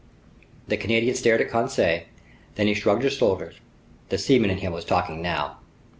The Canadian stared at Conseil, then he shrugged his shoulders. The seaman in him was talking now.